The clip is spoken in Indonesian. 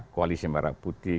koalisi merah putih